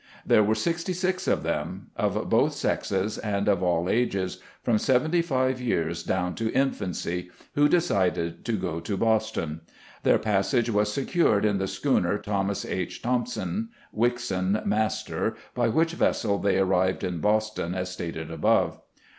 There were sixty six of them — of both sexes and of all ages, from seventy five years down to infancy — who decided to go to Boston. Their passage was secured in the schooner Thomas H. Thompson, Wickson, master, by which vessel they arrived in Boston, as stated above.